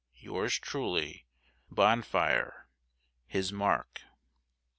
Yours truly, BONFIRE His * Mark.